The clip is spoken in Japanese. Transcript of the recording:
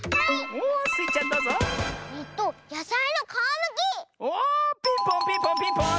おおピンポンピンポンピンポーン！